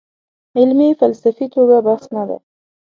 علمي فلسفي توګه بحث نه دی.